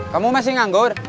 kamu masih nganggur